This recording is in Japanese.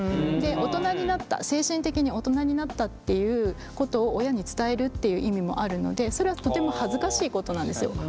大人になった精神的に大人になったっていうことを親に伝えるっていう意味もあるのでそれはとても恥ずかしいことなんですよ。